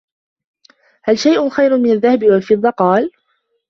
هَلْ شَيْءٌ خَيْرٌ مِنْ الذَّهَبِ وَالْفِضَّةِ ؟ قَالَ